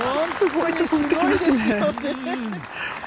すごいですよね。